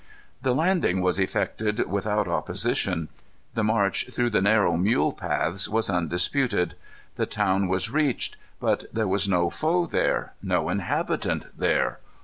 The landing was effected without opposition. The march, through the narrow mule paths, was undisputed. The town was reached. But there was no foe there; no inhabitant there.